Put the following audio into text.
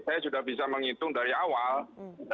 saya sudah bisa menghitung dari awal